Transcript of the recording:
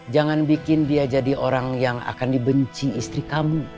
jangan bikin dia jadi orang yang akan dibenci istri kamu